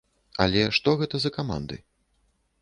Але што гэта за каманды?